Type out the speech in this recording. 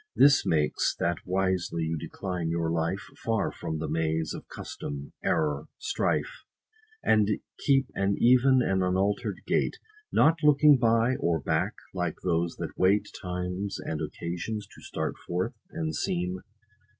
This makes, that wisely you decline your life 50 Far from the maze of custom, error, strife, And keep an even, and unalter'd gait ; Not looking by, or back, like those that wait Times and occasions, to start forth, and seem.